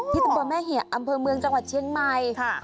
ตำบลแม่เหยะอำเภอเมืองจังหวัดเชียงใหม่